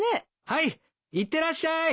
はいいってらっしゃい。